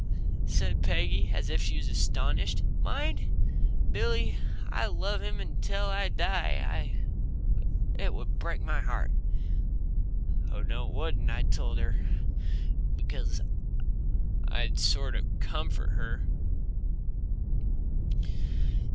said Peggy, as if she was astonished. "Mind? Billy, I'll love him till I die. It would break my heart." "Oh no, it wouldn't," I told her, because I thought I'd sort of comfort her.